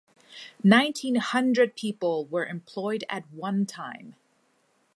Nineteen hundred people were employed at one time.